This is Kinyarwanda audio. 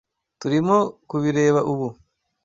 Turimo kubireba ubu.